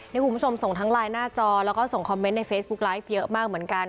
นี่คุณผู้ชมส่งทั้งไลน์หน้าจอแล้วก็ส่งคอมเมนต์ในเฟซบุ๊คไลฟ์เยอะมากเหมือนกัน